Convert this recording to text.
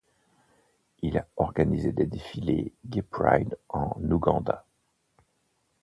Il a organisé des défilés Gay Pride en Ouganda.